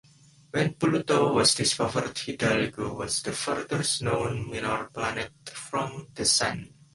When Pluto was discovered Hidalgo was the furthest known minor planet from the Sun.